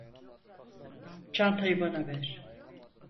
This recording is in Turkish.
Çantayı bana ver.